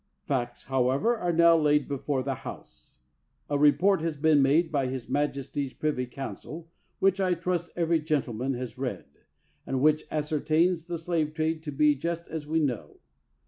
Facts, however, are now laid before the House. A report has been made by his maj esty's privy council, which, I trust, every gentleman has read, and which ascertains the slave trade to be just as we know.